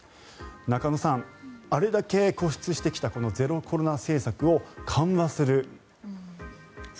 中野さん、あれだけ固執してきたゼロコロナ政策を緩和する。